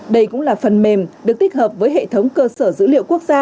đây cũng là phần mềm được tích hợp với hệ thống cơ sở dữ liệu quốc gia